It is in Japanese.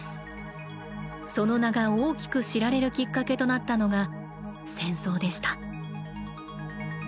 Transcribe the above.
その名が大きく知られるきっかけとなったのが「戦争」でした。